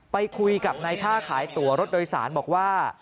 ไปคุยกับนายท่าขายตัวรถโดยสารบอกว่า